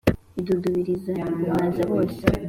idudubiriza guhaza bose